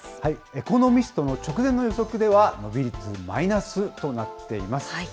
エコノミストの直前の予測では、伸び率マイナスとなっています。